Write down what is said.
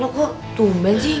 lo kok tumben sih